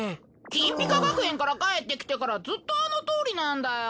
金ぴか学園から帰ってきてからずっとあのとおりなんだよ。